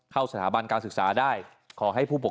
ขอบคุณนะครับ